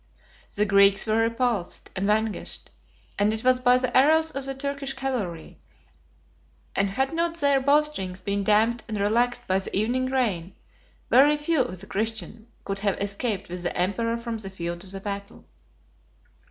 The Greeks were repulsed and vanquished, but it was by the arrows of the Turkish cavalry; and had not their bowstrings been damped and relaxed by the evening rain, very few of the Christians could have escaped with the emperor from the field of battle.